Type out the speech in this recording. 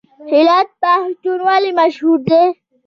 هرات پوهنتون ولې مشهور دی؟